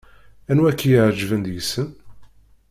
Anwa i ak-iɛeǧben deg-sen?